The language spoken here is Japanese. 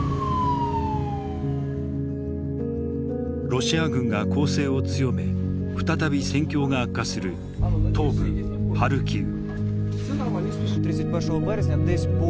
ロシア軍が攻勢を強め再び戦況が悪化する東部ハルキウ。